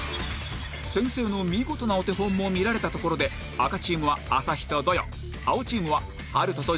先生の見事なお手本も見られたところで赤チームはアサヒとドヨン青チームはハルトとジフンが挑戦